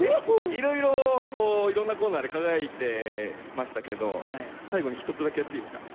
いろいろいろんなコーナーで輝いてましたけど最後に一つだけやっていいですか？